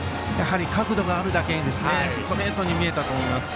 角度があるだけにストレートに見えたと思います。